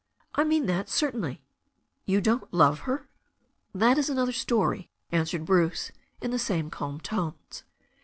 "I mean that, certainly." "You don't love her?" "That is another story," answered Bruce, in the same calm tones.